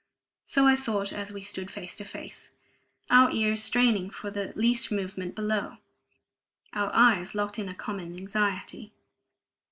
So I thought as we stood face to face, our ears straining for the least movement below, our eyes locked in a common anxiety.